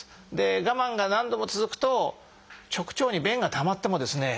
我慢が何度も続くと直腸に便がたまってもですね